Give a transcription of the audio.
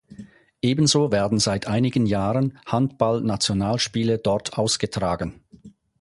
Ebenso werden seit einigen Jahren Handball-Nationalspiele dort ausgetragen.